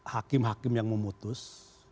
hakim hakim yang memutus